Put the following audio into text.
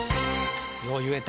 よう言えた。